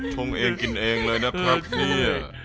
ชงเองกินเองเลยนะครับเนี่ย